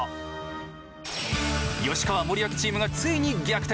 吉川・森脇チームがついに逆転！